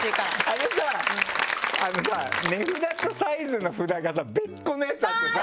あれさあのさ値札とサイズの札がさ別個のやつあってさ。